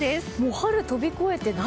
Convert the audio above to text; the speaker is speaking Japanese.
春を飛び越えて夏。